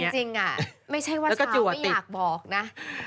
จริงไม่ใช่ว่าเจ้าไม่อยากบอกนะ